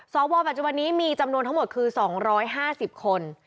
วอปัจจุบันนี้มีจำนวนทั้งหมดคือ๒๕๐คน